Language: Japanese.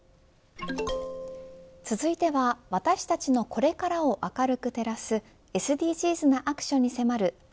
続いては私たちのこれからを明るく照らすＳＤＧｓなアクションに迫る＃